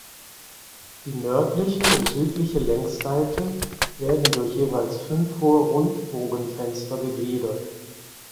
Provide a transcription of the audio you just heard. Die nördliche und südliche Längsseite werden durch jeweils fünf hohe Rundbogenfenster gegliedert.